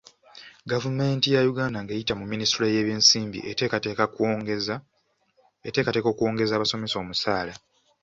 Gavumenti ya Uganda ng'eyita mu minisitule y'ebyensimbi eteekateeka okwongeza abasomesa omusaala.